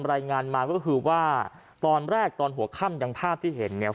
รายงานมาก็คือว่าตอนแรกตอนหัวค่ำอย่างภาพที่เห็นเนี่ย